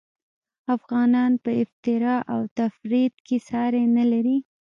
افغانان په افراط او تفریط کي ساری نلري